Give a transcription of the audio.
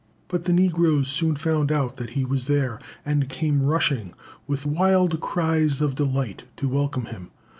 But the negroes soon found out that he was there, and came rushing, with wild cries of delight, to welcome him.